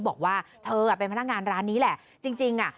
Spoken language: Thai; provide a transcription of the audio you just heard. บอกว่าเธออ่ะเป็นพนักงานร้านนี้แหละจริงจริงอ่ะ